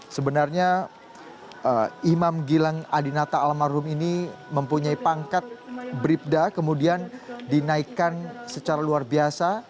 sebenarnya imam gilang adinata almarhum ini mempunyai pangkat bribda kemudian dinaikkan secara luar biasa